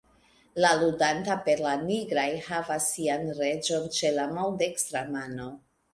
La ludanta per la nigraj havas sian reĝon ĉe la maldekstra mano.